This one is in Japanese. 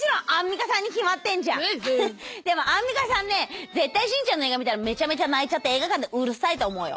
もうそれはもちろんでもアンミカさんね絶対しんちゃんの映画見たらめちゃめちゃ泣いちゃって映画館でうるさい思うよ。